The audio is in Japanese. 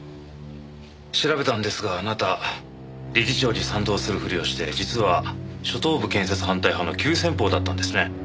調べたんですがあなた理事長に賛同するふりをして実は初等部建設反対派の急先鋒だったんですね。